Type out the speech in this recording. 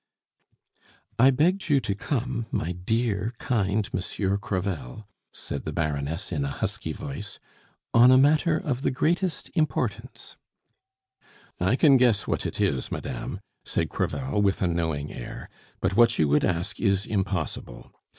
"I begged you to come, my dear kind Monsieur Crevel," said the Baroness in a husky voice, "on a matter of the greatest importance " "I can guess what it is, madame," said Crevel, with a knowing air, "but what you would ask is impossible.